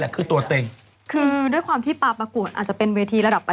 คือเริ่มปกวดจริงปกดัน๑๕ค่ะ